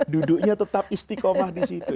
duduknya tetap istiqomah disitu